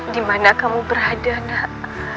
dimana kamu berada nak